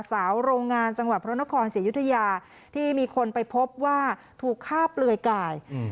สาวโรงงานจังหวัดพระนครเศรษฐยุทยาที่มีคนไปพบว่าถูกฆ่าเปลือยไก่